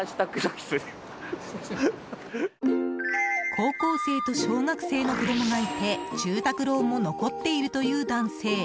高校生と小学生の子どもがいて住宅ローンも残っているという男性。